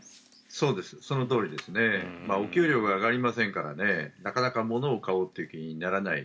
そうです、そのとおりですお給料が上がりませんからねなかなか物を買おうという気にならない。